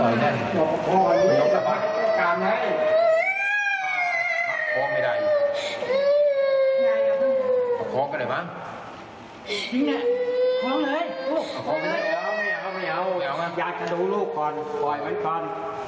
อย่าต้องไปดูอยากจะดูลูกก่อนปล่อยไว้ก่อน